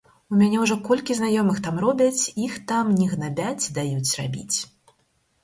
У мяне ўжо колькі знаёмых там робяць, іх там не гнабяць, даюць рабіць.